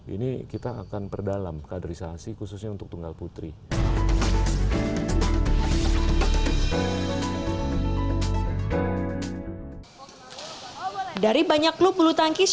ini kita akan perdalam kaderisasi khususnya untuk tunggal putri